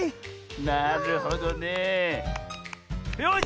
なるほどね。よし！